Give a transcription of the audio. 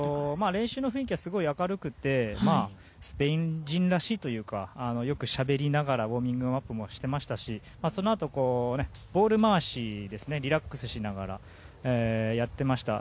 練習の雰囲気はすごく明るくてスペイン人らしいというかよくしゃべりながらウォーミングアップもしていましたしそのあと、ボール回しをリラックスしながらやっていました。